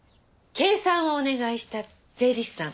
計算をお願いした税理士さん